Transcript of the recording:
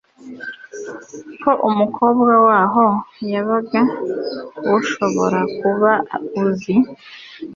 Ko umukobwa waho yabaga ushobora kuba uzi